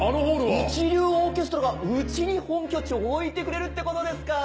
一流オーケストラがうちに本拠地を置いてくれるってことですか！